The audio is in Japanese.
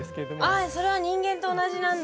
あそれは人間と同じなんだ。